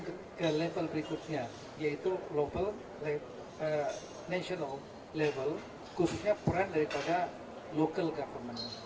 hari ini kita turun ke level berikutnya yaitu global national level khususnya peran dari local government